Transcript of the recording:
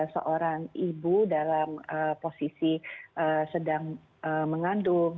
seorang ibu dalam posisi sedang mengandung